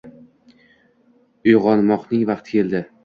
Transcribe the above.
Uyg’onmoqning vaqti keldi